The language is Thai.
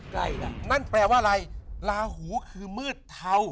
ใกล้แล้วนั่นแปลว่าอะไรลาหูคือมืดเทา